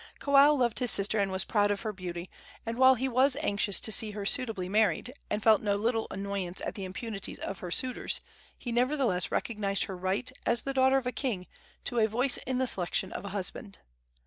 Kawao loved his sister and was proud of her beauty; and while he was anxious to see her suitably married, and felt no little annoyance at the importunities of her suitors, he nevertheless recognized her right, as the daughter of a king, to a voice in the selection of a husband.